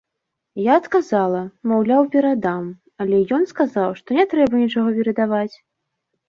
Я адказала, маўляў, перадам, але ён сказаў, што не трэба нічога перадаваць.